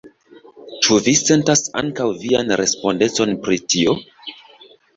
Ĉu vi sentas ankaŭ vian respondecon pri tio?